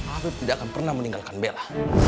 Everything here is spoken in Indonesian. aku tidak akan pernah meninggalkan bella